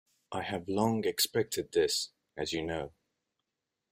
I have long expected this, as you know.